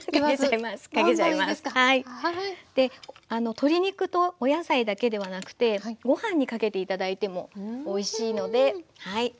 鶏肉とお野菜だけではなくてご飯にかけて頂いてもおいしいのではいいかがでしょうか。